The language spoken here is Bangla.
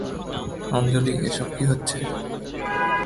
অঞ্জলি, এসব কি হচ্ছে?